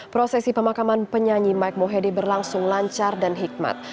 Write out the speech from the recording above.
prosesi pemakaman penyanyi mike mohede berlangsung lancar dan hikmat